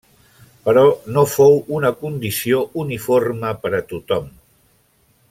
Però no fou una condició uniforme per a tothom.